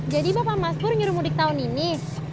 jadi bapak mas bur nyuruh mudik tahun ini